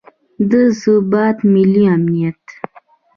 د ثبات، ملي امنیت